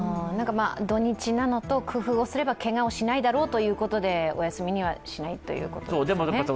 土日なのと、工夫をすればけがをしないだろうということでお休みにはしないということですね。